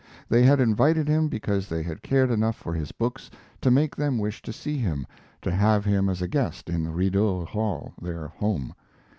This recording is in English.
They had invited him because they had cared enough for his books to make them wish to see him, to have him as a guest in Rideau Hall, their home.